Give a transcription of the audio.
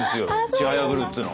「ちはやぶる」っつうのは。